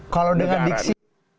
kalau dengan diksi